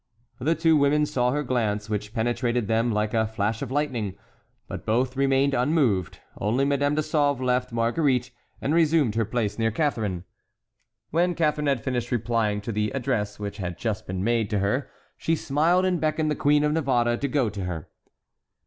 The two women saw her glance, which penetrated them like a flash of lightning, but both remained unmoved; only Madame de Sauve left Marguerite and resumed her place near Catharine. When Catharine had finished replying to the address which had just been made to her she smiled and beckoned the Queen of Navarre to go to her.